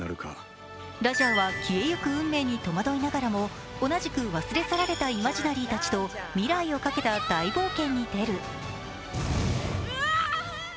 ラジャーは消えゆく運命に戸惑いながらも同じく忘れ去られたイマジナリたちと未来をかけた大冒険に出る。